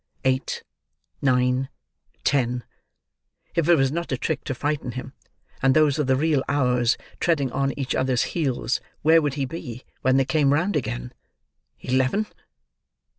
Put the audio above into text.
Eight—nine—then. If it was not a trick to frighten him, and those were the real hours treading on each other's heels, where would he be, when they came round again! Eleven!